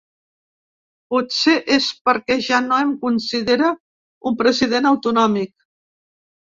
Potser és perquè ja no em considera un president autonòmic.